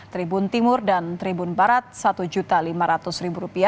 tribun timur dan tribun barat rp satu lima ratus